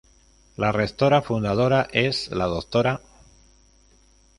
La Rectora Fundadora es la Dra.